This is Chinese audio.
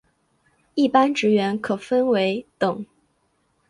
一般职员可分为等。